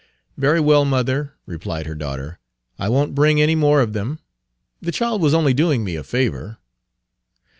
"Very well, mother," replied her daughter. "I won't bring any more of them. The child was only doing me a favor."